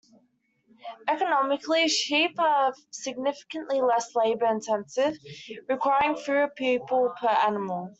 Economically, sheep are significantly less labour-intensive, requiring fewer people per animal.